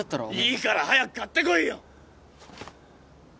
いいから早く買ってこいよ！